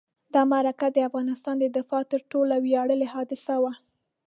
دا معرکه د افغانستان د دفاع تر ټولو ویاړلې حادثه وه.